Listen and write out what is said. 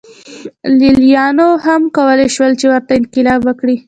لېلیانو هم کولای شول چې ورته انقلاب وکړي